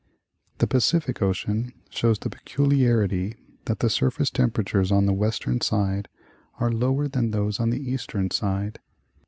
The Pacific Ocean shows the peculiarity that the surface tem peratures on the western side are lower than those on the eastern side.